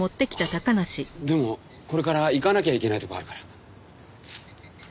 でもこれから行かなきゃいけない所があるから。